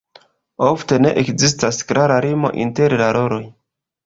Ofte ne ekzistas klara limo inter la roloj.